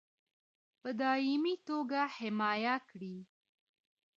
په دایمي توګه حمایه کړي.